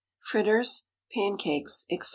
FRITTERS, PANCAKES, ETC.